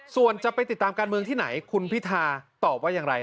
ส่วนจะไปติดตามการเมืองที่ไหนคุณพิธาตอบว่าอย่างไร